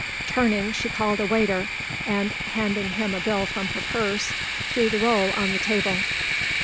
Turning, she called a waiter and, handing him a bill from her purse, threw the roll on the table.